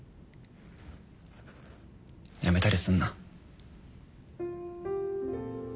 辞めたりすんな。